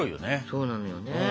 そうなのよね。